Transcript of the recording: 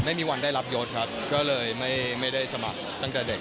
ไม่มีวันได้รับยศครับก็เลยไม่ได้สมัครตั้งแต่เด็ก